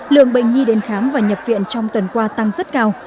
lượng bệnh nhi đến khám và nhập viện trong tuần qua tăng rất cao